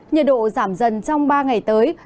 nhiệt độ giảm dần trong ba ngày tới